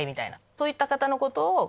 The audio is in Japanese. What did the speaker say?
そういった方のことを。